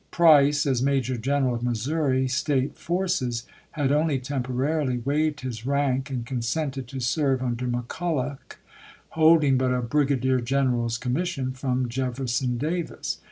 Price, as major general of Missouri State forces, had only temporarily waived his rank, and consented to serve under Mc Culloch holding but a brigadier general's com mission from Jefferson Davis.